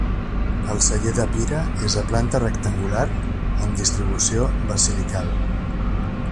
El celler de Pira és de planta rectangular amb distribució basilical.